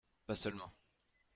Pas seulement